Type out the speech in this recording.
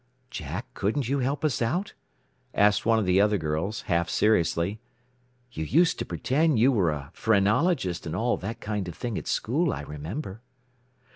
"Jack, couldn't you help us out?" asked one of the other girls, half seriously. "You used to pretend you were a phrenologist and all that kind of thing at school, I remember."